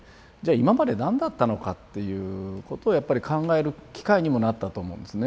今まで何だったのかっていうことをやっぱり考える機会にもなったと思うんですね。